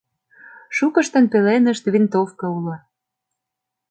Шукыштын пеленышт винтовка уло.